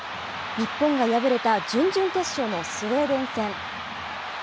日本が敗れた準々決勝のスウェーデン戦。